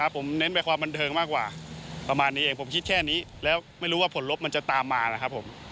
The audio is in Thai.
ผมเน้นไปความบันเทิงมากกว่าประมาณนี้เองผมคิดแค่นี้แล้วไม่รู้ว่าผลลบมันจะตามมานะครับผม